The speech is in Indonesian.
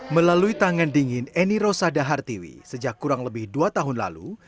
melalui tangan dingin eni rosa dahartiwi sejak kurang lebih dua tahun lalu